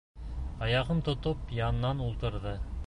Аяғын тотоп яңынан ултырҙы.